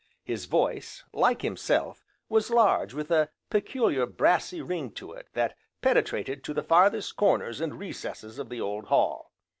His voice, like himself, was large with a peculiar brassy ring to it that penetrated to the farthest corners and recesses of the old hall.